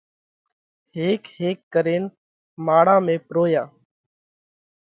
هيڪ هيڪ ڪرينَ ماۯا ۾ پروياه۔